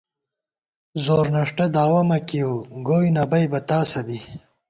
زورنݭٹہ داوَہ مہ کېئیَؤ گوئی نہ بئیبہ تاسہ بی